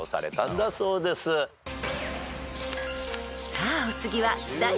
［さあお次は］